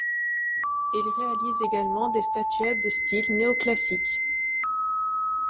Il réalise également des statuettes de style néo-classique.